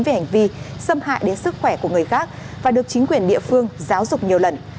về hành vi xâm hại đến sức khỏe của người khác và được chính quyền địa phương giáo dục nhiều lần